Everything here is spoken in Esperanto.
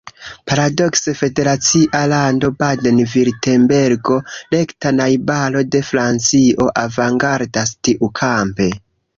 Paradokse, federacia lando Baden-Virtembergo, rekta najbaro de Francio, avangardas tiukampe.